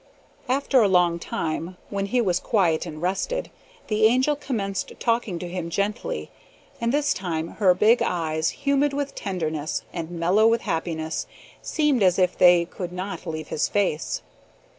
After a long time, when he was quiet and rested, the Angel commenced talking to him gently, and this time her big eyes, humid with tenderness and mellow with happiness, seemed as if they could not leave his face.